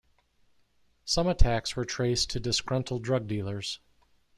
Some attacks were traced to disgruntled drug dealers.